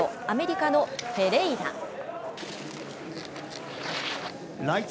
アメリカのフェレイラ。